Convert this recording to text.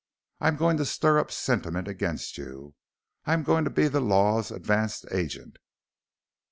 I am going to stir up sentiment against you. I am going to be the Law's advance agent!"